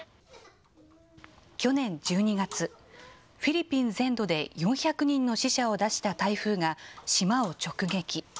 去年１２月、フィリピン全土で４００人の死者を出した台風が島を直撃。